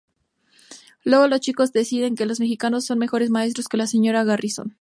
Luego los chicos deciden que los mexicanos son mejores maestros que la señora Garrison.